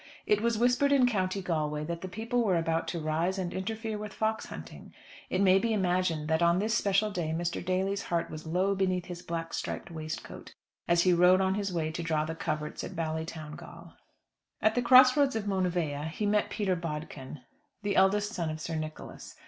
It was whispered in County Galway that the people were about to rise and interfere with fox hunting! It may be imagined that on this special day Mr. Daly's heart was low beneath his black striped waistcoat, as he rode on his way to draw the coverts at Ballytowngal. At the cross roads of Monivea he met Peter Bodkin, the eldest son of Sir Nicholas.